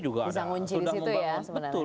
juga ada bisa ngunci di situ ya sebenarnya betul